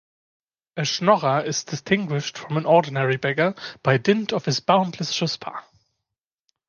A "schnorrer" is distinguished from an ordinary beggar by dint of his boundless chutzpah.